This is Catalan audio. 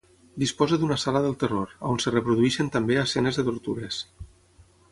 Disposa d'una sala del terror, on es reprodueixen també escenes de tortures.